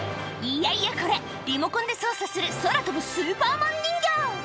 いやいやこれ、リモコンで操作する、空飛ぶスーパーマン人形。